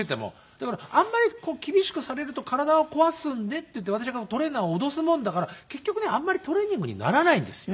だからあんまり厳しくされると体を壊すんでっていって私がトレーナーを脅すもんだから結局ねあんまりトレーニングにならないんですよね。